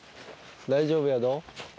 大丈夫やぞ。